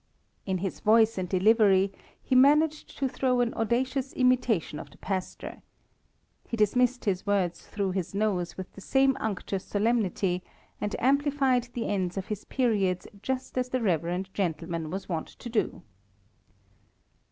In his voice and delivery he managed to throw an audacious imitation of the pastor. He dismissed his words through his nose with the same unctuous solemnity, and amplified the ends of his periods just as the reverend gentleman was wont to do.